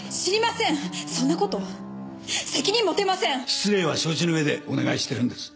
失礼は承知の上でお願いしてるんです。